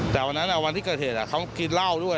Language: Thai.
แต่วันนั้นวันที่เกิดเหตุเขากินเหล้าด้วย